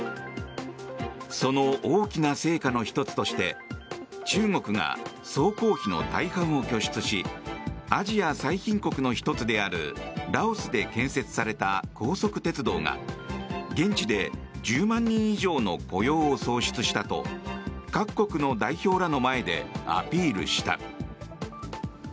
その大きな成果の１つとして中国が総工費の大半を拠出しアジア最貧国の１つであるラオスで建設された高速鉄道が現地で１０万人以上の雇用を創出したと各国の代表らの前でアピールした。